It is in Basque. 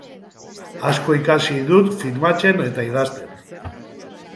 Asko ikasi dut filmatzen eta idazten.